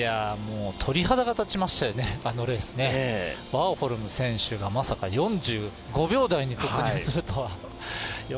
鳥肌が立ちましたよね、あのレース、ワーホルム選手、まさか４５秒台に突入するとは。